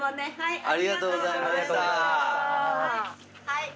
はい。